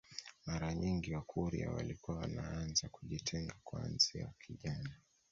Mara nyingi wakurya walikuwa wanaanza kujitenga kuanzia kijana